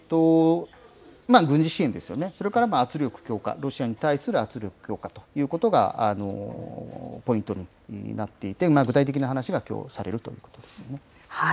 軍事支援ですよね、それから圧力強化、ロシアに対する圧力強化ということがポイントになっていて、具体的な話はきょうされるということですね。